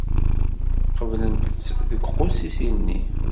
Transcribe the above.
Qeblen-tt deg uqusis-nni.